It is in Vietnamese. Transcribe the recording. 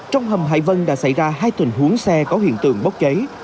trong hầm hải vân đã xảy ra hai tình huống xe có hiện tượng bốc cháy